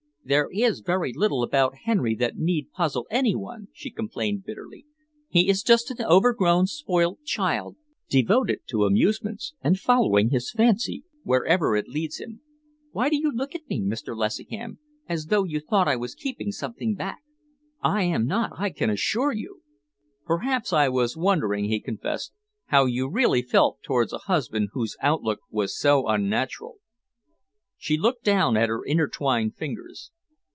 "There is very little about Henry that need puzzle any one," she complained bitterly. "He is just an overgrown, spoilt child, devoted to amusements, and following his fancy wherever it leads him. Why do you look at me, Mr. Lessingham, as though you thought I was keeping something back? I am not, I can assure you." "Perhaps I was wondering," he confessed, "how you really felt towards a husband whose outlook was so unnatural." She looked down at her intertwined fingers.